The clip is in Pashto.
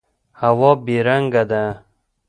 هوا بې رنګه ده.